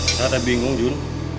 saya ada bingung jun